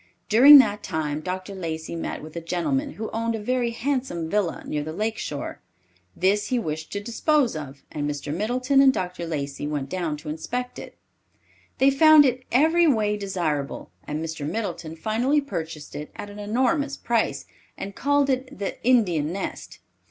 During that time Dr. Lacey met with a gentleman who owned a very handsome villa near the lake shore. This he wished to dispose of, and Mr. Middleton and Dr. Lacey went down to inspect it. They found it every way desirable, and Mr. Middleton finally purchased it at an enormous price, and called it the "Indian Nest."